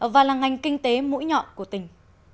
và là ngành kinh tế mũi nhọn của tỉnh